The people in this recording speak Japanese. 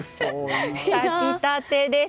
炊き立てです。